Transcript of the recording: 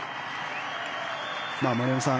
丸山さん